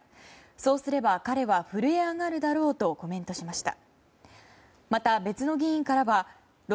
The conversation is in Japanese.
そうすれば彼は震え上がるだろうとコメントしました。